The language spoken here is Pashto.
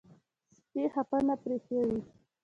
سپي خفه نه پرېښوئ.